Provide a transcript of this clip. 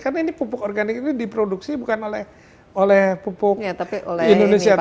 karena ini pupuk organik ini diproduksi bukan oleh pupuk indonesia